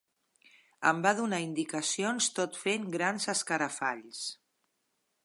Em va donar indicacions tot fent grans escarafalls.